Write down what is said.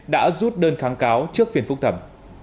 đã rút đơn kháng cáo trước phiên phúc thẩm